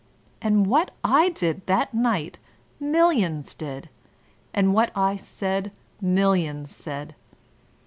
And what I did that night millions did, and what I said millions said.